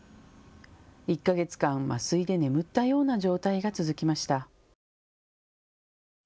１か月間、麻酔で眠ったような状態が続きました。